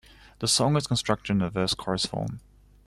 The song is constructed in a verse-chorus form.